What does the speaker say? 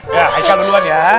ya haikal duluan ya